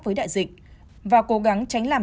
với đại dịch và cố gắng tránh làm